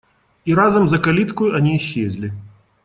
И разом за калиткою они исчезли.